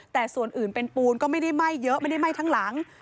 แต่ส่วนอื่นเป็นปูนก็ไม่ได้ไหม้เยอะไม่ได้ไหม้ทั้งหลัง